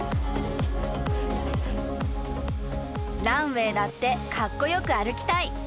ランウェイだってかっこよく歩きたい！